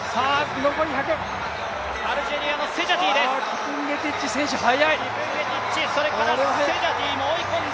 キプンゲティッチ選手速い！